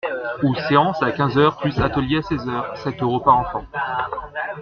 Ou séance à quinze heures plus atelier à seize heures : sept euros par enfant.